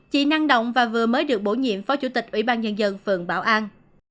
chị năng động và vừa mới được bổ nhiệm phó chủ tịch ủy ban nhân dân phường bảo an